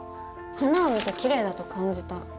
花を見てキレイだと感じた。